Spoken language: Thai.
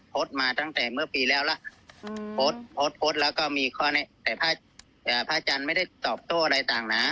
โพสต์มาตั้งแต่เมื่อปีแล้วล่ะโพสต์โพสต์แล้วก็มีข้อแต่พระอาจารย์ไม่ได้ตอบโต้อะไรต่างนะ